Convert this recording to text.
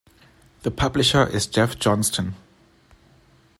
The publisher is Jeff Johnston.